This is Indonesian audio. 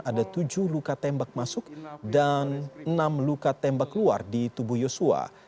ada tujuh luka tembak masuk dan enam luka tembak keluar di tubuh yosua